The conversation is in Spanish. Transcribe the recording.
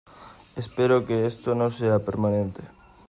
Espero que esto no sea permanente.